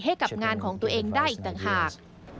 ให้กับงานของตัวเองได้อีกต่างหาก